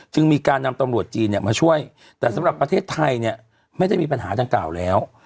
มีการนำตำรวจจีนมาช่วยแต่สำหรับประเทศไทยเนี่ยไม่ได้มีปัญหาดังกล่าวแล้ว